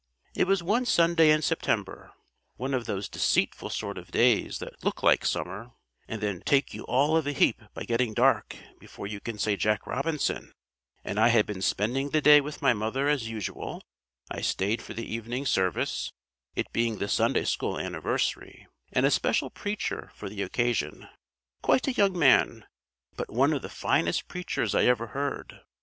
"It was one Sunday in September one of those deceitful sort of days that look like summer, and then take you all of a heap by getting dark before you can say Jack Robinson and I had been spending the day with my mother as usual; I stayed for the evening service, it being the Sunday school Anniversary and a special preacher for the occasion; quite a young man, but one of the finest preachers I ever heard.